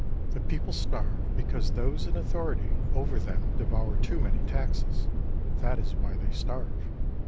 The people starve because those in authority 39 over them devour too many taxes ; that is why they starve.